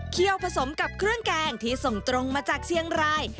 ผสมกับเครื่องแกงที่ส่งตรงมาจากเชียงราย